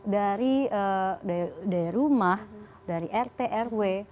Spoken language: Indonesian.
dari rumah dari rt rw